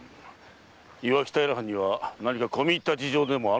磐城平藩には何か込み入った事情でもあるのであろう。